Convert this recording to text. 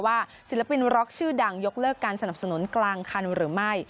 ศิลปินร็อกชื่อดังยกเลิกการสนับสนุนกลางคันหรือไม่